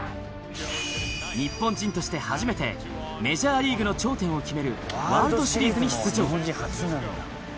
日本人として初めてメジャーリーグの頂点を決めるワールドシリーズに出場。